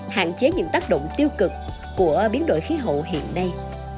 hạn chế những tác động tiêu cực của biến đổi khí hậu hiện nay